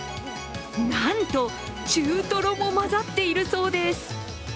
なんと中トロも混ざっているそうです。